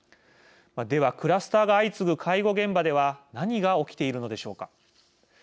ではクラスターが相次ぐ介護現場では何が起きているのでしょうか。